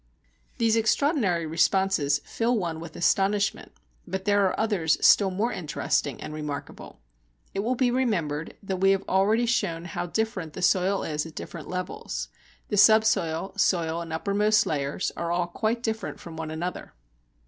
These extraordinary responses fill one with astonishment, but there are others still more interesting and remarkable. It will be remembered that we have already shown how different the soil is at different levels. The subsoil, soil, and uppermost layers are all quite different from one another.